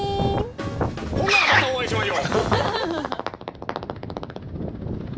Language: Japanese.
ほんならまたお会いしましょう！